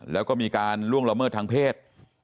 แล้วก็มีการล่วงละเมิดทางเพศ